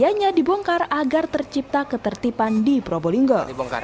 tiganya dibongkar agar tercipta ketertiban di probolinggo